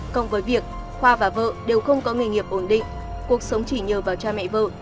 công với việc khoa và vợ đều không có nghề nghiệp ổn định cuộc sống chỉ nhờ vào cha mẹ vợ